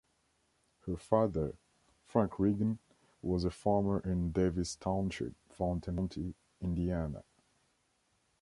Her father, Frank Riggin, was a farmer in Davis Township, Fountain County, Indiana.